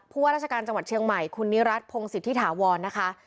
ว่าราชการจังหวัดเชียงใหม่คุณนิรัติพงศิษฐิถาวรนะคะ